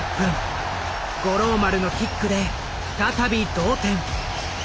五郎丸のキックで再び同点。